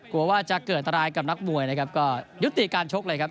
กลัวว่าจะเกิดอันตรายกับนักมวยนะครับก็ยุติการชกเลยครับ